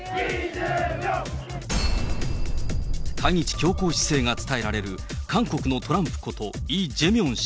対日強硬姿勢が伝えられる韓国のトランプこと、イ・ジェミョン氏。